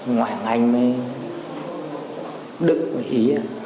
ngoài hành anh mới đựng với ý